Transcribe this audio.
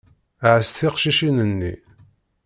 Ɛass tiqcicin-nni.